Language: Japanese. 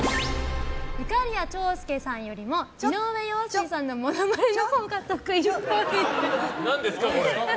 いかりや長介さんよりも井上陽水さんのものまねのほうが得意っぽい。